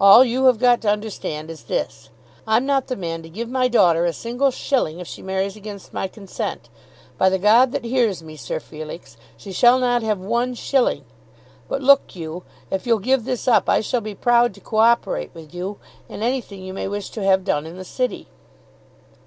All you have got to understand is this. I'm not the man to give my daughter a single shilling if she marries against my consent. By the God that hears me, Sir Felix, she shall not have one shilling. But look you, if you'll give this up, I shall be proud to co operate with you in anything you may wish to have done in the city."